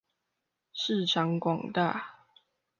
市場廣大